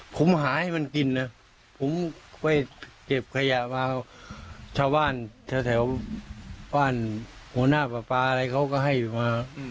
ผมหาให้มันกินนะผมไปเก็บขยะมาชาวบ้านแถวบ้านหัวหน้าปลาปลาอะไรเขาก็ให้มา